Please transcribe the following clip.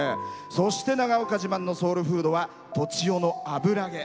そして長岡自慢のソウルフードは栃尾のあぶらげ。